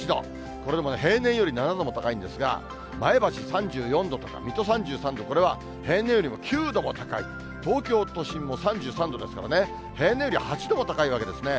これでも平年より７度も高いんですが、前橋３４度とか、水戸３３度、これは平年よりも９度も高い、東京都心も３３度ですからね、平年より８度も高いわけですね。